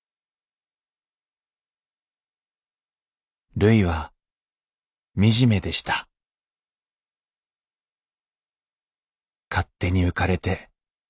るいは惨めでした勝手に浮かれて。